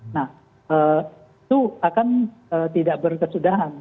nah itu akan tidak berkesudahan